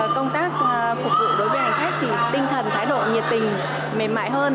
công tác phục vụ đối với hành khách thì tinh thần thái độ nhiệt tình mềm mại hơn